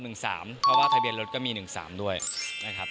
เพราะว่าทะเบียนรถก็มี๑๓ด้วยนะครับ